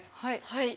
はい。